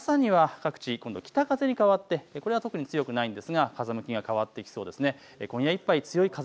あす朝には各地、今度、北風に変わってこれは特に強くないんですが風向きが変わってきそうです。